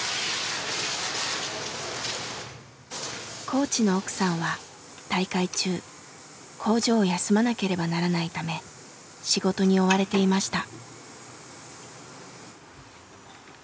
コーチの奥さんは大会中工場を休まなければならないため仕事に追われていました。